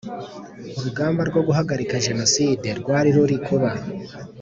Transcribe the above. urugamba rwo guhagarika jenoside rwari ruri kuba